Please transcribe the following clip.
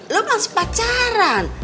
lu masih pacaran